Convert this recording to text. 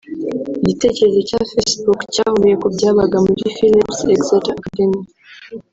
Igitekerezo cya Facebook cyavuye ku byabaga muri Phillips Exeter Academy